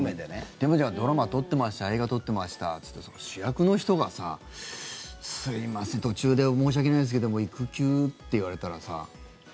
でも、じゃあドラマ撮ってました映画撮ってましたっていって主役の人がさすいません途中で申し訳ないですけど育休って言われたらさ。